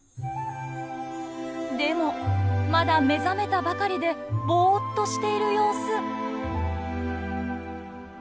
でもまだ目覚めたばかりでぼっとしている様子。